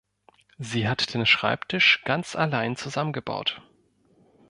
Sie hat den Schreibtisch ganz allein zusammengebaut.